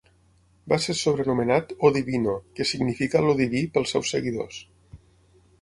Va ser sobrenomenat O Divino, que significa El Diví, pels seus seguidors.